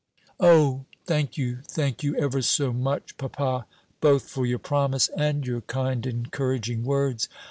"Oh! thank you, thank you ever so much, papa, both for your promise, and your kind, encouraging words.